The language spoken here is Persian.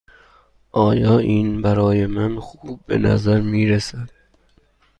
آیا این برای من خوب به نظر می رسد؟